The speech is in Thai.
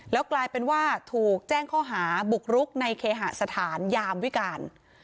แล้วกลายเป็นว่าถูกแจ้งข้อหาบุกรุกในเคหสถานยามวิการ